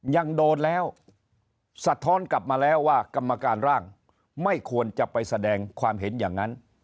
ยังโดนแล้วสะท้อนกลับมาแล้วว่ากรรมการร่างไม่ควรจะไปแสดงความเห็นอย่างนั้น